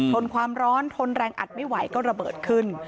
ทนความร้อนทนแรงอัดไม่ไหวก็ระเบิดขึ้น